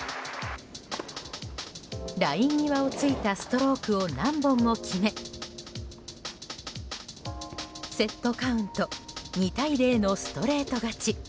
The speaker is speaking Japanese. ライン際をついたストロークを何本も決めセットカウント２対０のストレート勝ち。